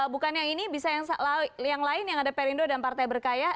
bukannya ini bisa yang lain yang ada perindo dan partai berkarya